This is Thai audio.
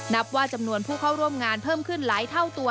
นับว่าจำนวนผู้เข้าร่วมงานเพิ่มขึ้นหลายเท่าตัว